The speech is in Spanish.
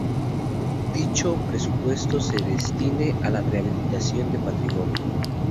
dicho presupuesto se destine a la rehabilitación de patrimonio